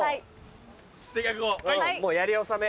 もうやり納め。